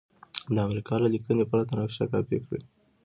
د امریکا له لیکنې پرته نقشه کاپي کړئ.